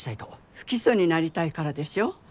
不起訴になりたいからでしょ？